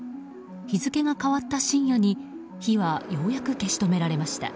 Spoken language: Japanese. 日付が変わった深夜に火はようやく消し止められました。